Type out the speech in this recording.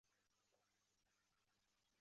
死后由齐丹塔二世继承。